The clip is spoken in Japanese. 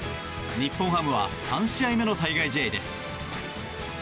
日本ハムは３試合目の対外試合です。